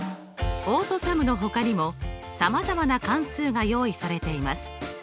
オートＳＵＭのほかにもさまざまな関数が用意されています。